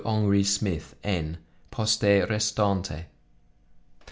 Henri Smith, N , poste restante."